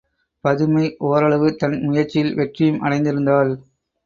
பதுமை ஒரளவு தன் முயற்சியில் வெற்றியும் அடைந்திருந்தாள்.